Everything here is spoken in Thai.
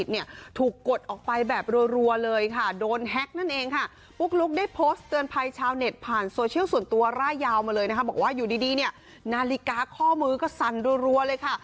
เนี่ยบอกว่าอยู่ดีเนี่ยนาฬิกาข้อมือก็สั่นรัวเลยค่ะ